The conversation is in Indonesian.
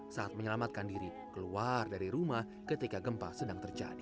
saat menyelamatkan diri keluar dari rumah ketika gempa sedang terjadi